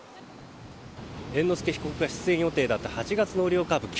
猿之助被告が出演予定だった「八月納涼歌舞伎」。